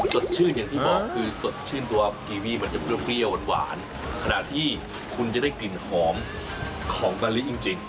สดชื่นอย่างที่บอกคือสดชื่นตัวกีวีมันจะเปรี้ยวหวานขณะที่คุณจะได้กลิ่นหอมของกะลิจริง